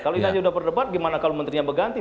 kalau ini sudah berdebat gimana kalau menterinya berganti